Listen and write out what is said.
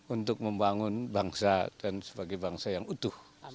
untuk membangun bangsa dan sebagai bangsa yang utuh